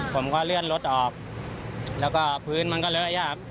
ผมก็เลื่อนรถออกแล้วก็พื้นมันก็เลอะยาก